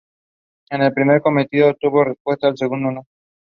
Senator Mitch Carmichael (R) was one of the three incumbents defeated.